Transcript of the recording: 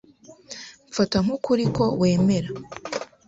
Mfata nk'ukuri ko wemera.